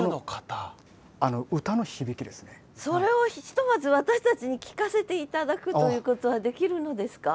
それをひとまず私たちに聴かせて頂くということはできるのですか？